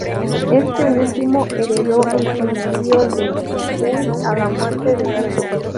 Este último heredó el señorío de Le Puy a la muerte de Hugo.